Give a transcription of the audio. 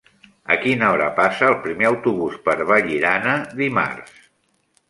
A quina hora passa el primer autobús per Vallirana dimarts?